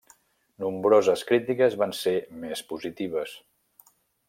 Nombroses crítiques van ser més positives.